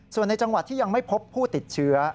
ส่วนในจังหวัดที่ยังไม่พบผู้ติดเชื้อ